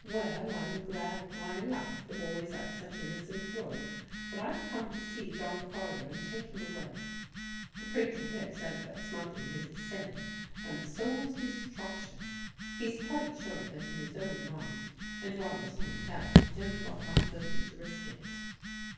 "Well, I'm glad of my life the boy's at such innocent work; but I've come to see John Carter and take him away. The preacher here says that smuggling is a sin and the soul's destruction; he's quite sure of it in his own mind, and whiles there's any doubt I don't want my Phoby to risk it."